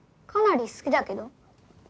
かなり好きだけど？